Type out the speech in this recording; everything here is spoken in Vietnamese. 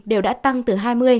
đều đã tăng từ hai mươi hai mươi năm